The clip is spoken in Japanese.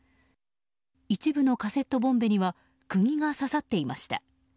一部のカセットボンベには釘が刺さっていました。